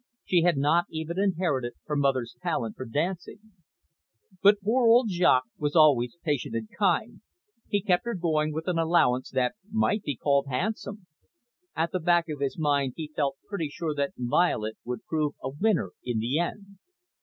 She had not even inherited her mother's talent for dancing. But poor old Jaques was always patient and kind. He kept her going with an allowance that might be called handsome. At the back of his mind he felt pretty sure that Violet would prove a winner in the end.